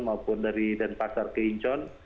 maupun dari denpasar ke incheon